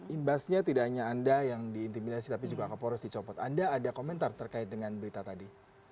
imbasnya tidak hanya anda yang diintimidasi tapi juga kapolres dicopot anda ada komentar terkait dengan berita tadi